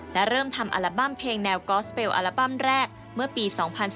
และเริ่มทำอัลบั้มเพลงแนวกอสเบลอัลบั้มแรกเมื่อปี๒๔